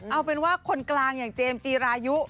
เอาเป็นว่าคนกลางอย่างเจมส์จีรายุ